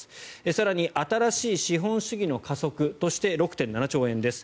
更に新しい資本主義の加速として６．７兆円です。